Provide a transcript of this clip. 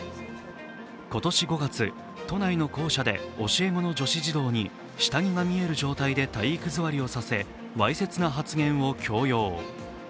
今年５月、都内の校舎で教え子の女子児童に下着が見える状態で体育座りをさせわいせつな発言を強要。